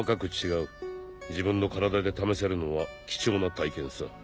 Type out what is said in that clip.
自分の体で試せるのは貴重な体験さ。